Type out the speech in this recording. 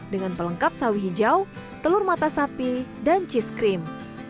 dengan pelengkap sawi hijau telur mata sapi dan cheese cream